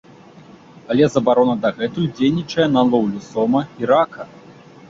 Але забарона дагэтуль дзейнічае на лоўлю сома і рака.